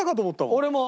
俺も！